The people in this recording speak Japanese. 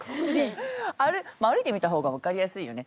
まあ歩いてみた方が分かりやすいよね。